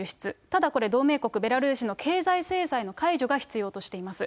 ただ、これ、同盟国ベラルーシの経済制裁の解除が必要としています。